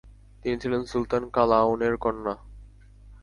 তিনি ছিলেন সুলতান কালাউনের কন্যা।